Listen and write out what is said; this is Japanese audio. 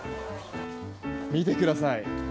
見てください。